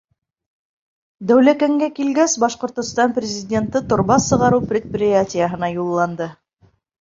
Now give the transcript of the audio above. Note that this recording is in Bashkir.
Дәүләкәнгә килгәс, Башҡортостан Президенты торба сығарыу предприятиеһына юлланды.